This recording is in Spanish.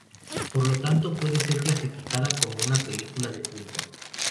Por lo tanto, puede ser clasificada como una película de culto.